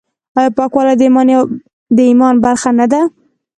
آیا پاکوالی د ایمان برخه نه ده؟